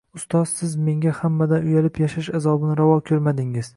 Ustoz, siz menga hammadan uyalib yashash azobini ravo koʻrmadingiz.